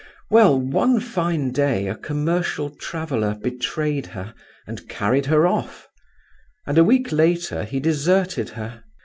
Well, one fine day a commercial traveller betrayed her and carried her off; and a week later he deserted her.